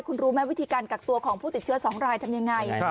คุณรู้ไหมวิธีการกักตัวของผู้ติดเชื้อ๒รายทำยังไง